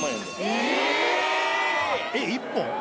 えっ１本？